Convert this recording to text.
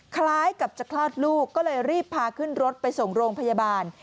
คล้ายกับจะคลอดลูกก็เลยรีบพาขึ้นรถไปส่งโรงพยาบาล